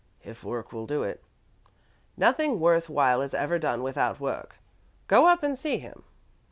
"If work will do it " "Nothing worth while is ever done without work. Go up and see him."